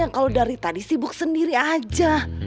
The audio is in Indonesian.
tante si boy dari tadi sibuk sendiri aja